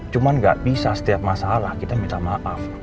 cuman gak bisa setiap masalah kita minta maaf